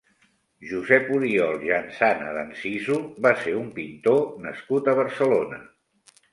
Josep Oriol Jansana d'Anzizu va ser un pintor nascut a Barcelona.